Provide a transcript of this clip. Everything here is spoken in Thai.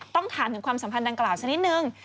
ต้องถามถึงความสัมพันธ์ดังกล่าวสักนิดนึง